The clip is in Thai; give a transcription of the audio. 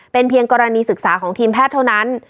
เป็นเพียงกรณีศึกษาของทีมแพทย์เท่านั้น